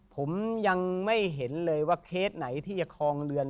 ผมยังไม่เห็นเลยว่าเคสไหนที่จะคลองเรือน